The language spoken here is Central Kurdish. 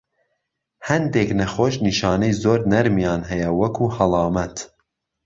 هەندێک نەخۆش نیشانەی زۆر نەرمیان هەیە، وەکو هەڵامەت.